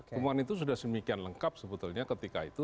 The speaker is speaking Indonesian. temuan itu sudah semikian lengkap sebetulnya ketika itu